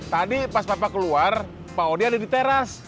tadi pas papa keluar pak odi ada di teras